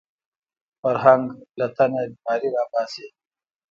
فرهنګ له تنه بیماري راوباسي